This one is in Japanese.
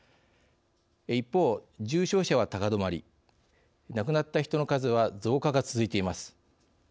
一方重症者は高止まり亡くなった人の数は増加が続いています。